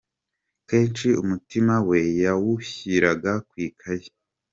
Kenshi umutima we yawushyiraga ku ikayi.